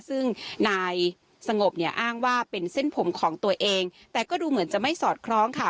ซึ่งนายสงบเนี่ยอ้างว่าเป็นเส้นผมของตัวเองแต่ก็ดูเหมือนจะไม่สอดคล้องค่ะ